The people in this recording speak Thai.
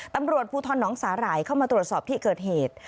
ตำรวจภูทรน้องสาหร่ายเข้ามาตรวจสอบที่เกิดเหตุ